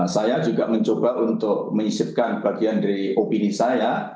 saya juga mencoba untuk mengisipkan bagian dari opini saya